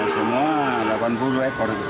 semua delapan puluh ekor